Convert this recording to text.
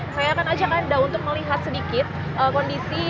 saya akan ajak anda untuk melihat sedikit kondisi